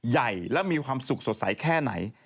ใหญ่และมีความสุขสดใสแค่ไหน